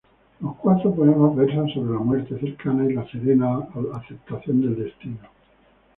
Los cuatro poemas versan sobre la muerte cercana y la serena aceptación del destino.